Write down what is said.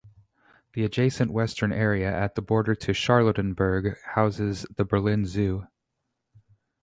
The adjacent western area at the border to Charlottenburg houses the Berlin Zoo.